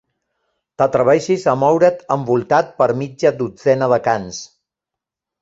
T'atreveixis a moure't envoltat per mitja dotzena de cans.